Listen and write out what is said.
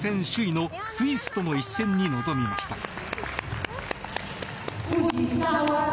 首位のスイスとの一戦に臨みました。